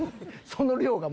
その量が。